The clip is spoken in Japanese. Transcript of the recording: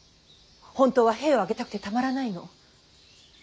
本当は兵を挙げたくてたまらないの。